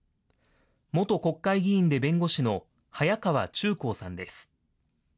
元国会議員で弁護士の早川忠孝さんです。